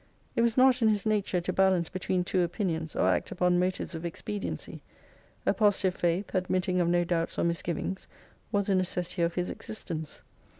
It was not in his nature to balance between two opinions, or act upon motives of expediency. A posi tive faith, admitting of no doubts or misgivings, was a necessity of his existence.